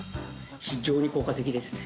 非常に効果的ですね。